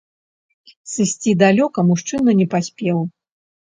Сысці далёка мужчына не паспеў.